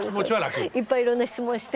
いっぱいいろんな質問をして。